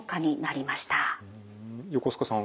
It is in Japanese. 横須賀さん